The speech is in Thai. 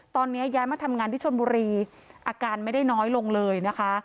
ตอนนี้ย้ายมาทำงานที่ชนบุรีอาการไม่ได้น้อยลงเลยนะคะ